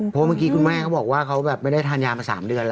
เพราะเมื่อกี้คุณแม่เขาบอกว่าเขาแบบไม่ได้ทานยามา๓เดือนแล้ว